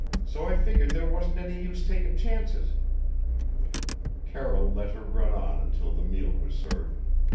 So I figured there wasn't any use taking chances " Carroll let her run on until the meal was served.